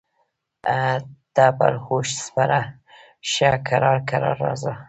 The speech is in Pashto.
ته پر اوښ سپره شه کرار کرار راځه.